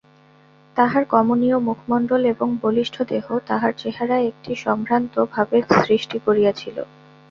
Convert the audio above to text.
তাঁহার কমনীয় মুখমণ্ডল এবং বলিষ্ঠ দেহ তাঁহার চেহারায় একটি সম্ভ্রান্ত ভাবের সৃষ্টি করিয়াছিল।